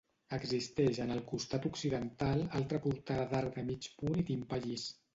Existeix en el costat occidental altra portada d'arc de mig punt i timpà llis.